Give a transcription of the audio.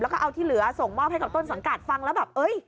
แล้วก็เอาที่เหลือส่งมอบให้กับต้นสังกัดฟังแล้วแบบเอ้ย